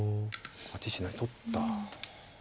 ８一飛成取った。